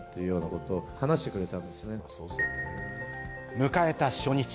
迎えた初日。